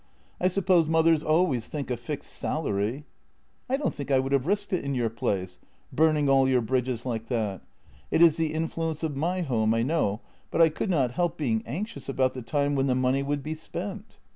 I suppose mothers always think a fixed salary. ..."" I don't think I would have risked it in your place — burn ing all your bridges like that. It is the influence of my home, I know, but I could not help being anxious about the time when the money would be spent."